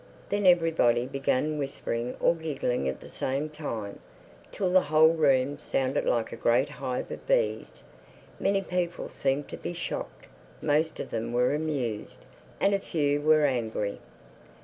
Then everybody began whispering or giggling at the same time, till the whole room sounded like a great hive of bees. Many people seemed to be shocked; most of them were amused; and a few were angry.